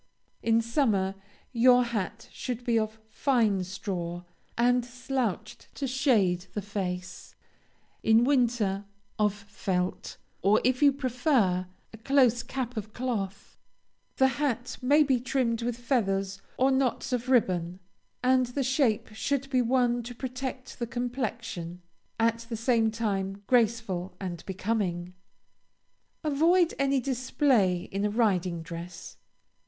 In summer, your hat should be of fine straw, and slouched to shade the face; in winter, of felt, or, if you prefer, a close cap of cloth. The hat may be trimmed with feathers or knots of ribbon, and the shape should be one to protect the complexion, at the same time graceful and becoming. Avoid any display in a riding dress.